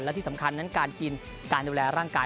และที่สำคัญนั้นการกินการดูแลร่างกาย